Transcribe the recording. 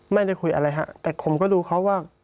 ไม่ได้คุยอะไรฮะแต่ผมก็ดูเขาว่า